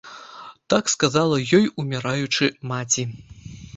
Так сказала ёй, уміраючы, маці.